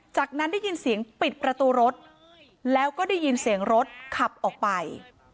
จากนั้นได้ยินเสียงปิดประตูรถแล้วก็ได้ยินเสียงรถขับออกไป